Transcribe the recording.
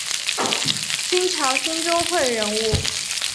清朝兴中会人物。